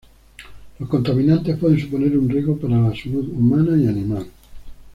Los contaminantes pueden suponer un riesgo para la salud humana y animal.